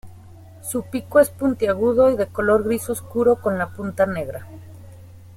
Su pico es puntiagudo y de color gris oscuro con la punta negra.